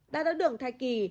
đai thác đường thai kỳ